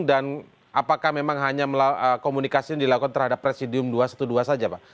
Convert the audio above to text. dan apakah memang hanya komunikasi yang dilakukan terhadap presidium dua ratus dua belas saja pak